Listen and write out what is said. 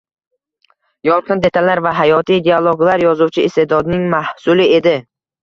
Yorqin detallar va hayotiy dialoglar yozuvchi iste'dodining mahsuli edi